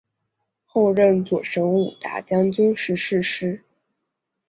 后任左神武大将军时逝世。